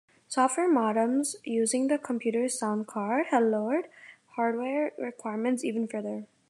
Software modems using the computer's sound card have lowered hardware requirements even further.